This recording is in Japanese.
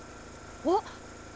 あっ！